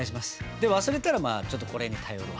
で忘れたらまあちょっとこれに頼るわ。